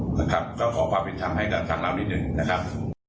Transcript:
นะครับก็ขอความเป็นธรรมให้กับทางเรานิดหนึ่งนะครับ